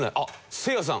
せいやさん